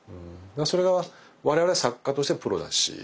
それが我々作家としてプロだし。